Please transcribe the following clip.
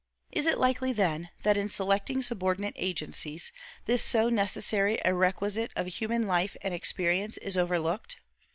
Is it likely, then, that, in selecting subordinate agencies, this so necessary a requisite of a human life and experience is overlooked?